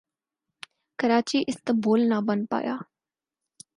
Karachi Istanbul نہ بن پایا